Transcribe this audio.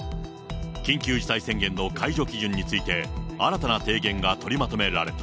緊急事態宣言の解除期限について、新たな提言が取りまとめられた。